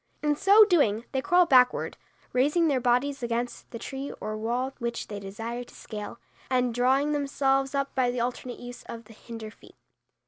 In so doing they crawl backward, raising their bodies against the tree or wall which they desire to scale, and drawing themselves up by the alternate use of the hinder feet.